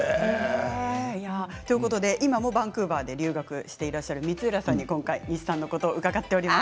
今もバンクーバーで留学していらっしゃる光浦さんに今回、西さんのことを伺っています。